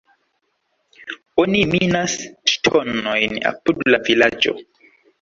Oni minas ŝtonojn apud la vilaĝo.